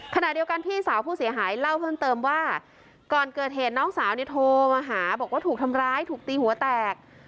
ขณะเดียวกันพี่สาวผู้เสียหายเล่าเพิ่มเติมว่าก่อนเกิดเหตุน้องสาวเนี่ยโทรมาหาบอกว่าถูกทำร้ายถูกตีหัวแตก